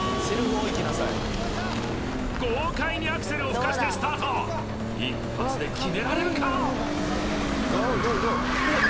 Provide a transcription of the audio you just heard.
豪快にアクセルをふかしてスタート一発で決められるか？